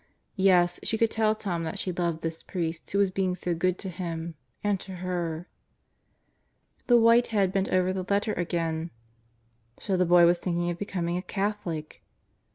Yes, she could tell Tom that she loved this priest who was being so good to him and to her. The white head bent over the letter again: So the boy was thinking of becoming a Catholic!